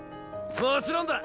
もちろんだ！